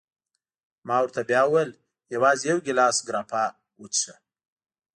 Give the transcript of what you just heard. ما ورته بیا وویل: یوازي یو ګیلاس ګراپا وڅېښه.